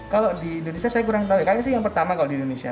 kalau di indonesia saya kurang tahu kayaknya sih yang pertama kalau di indonesia